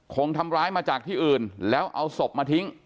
คงทำร้ายมาจากที่อื่นแล้วเอาศพมาทิ้ง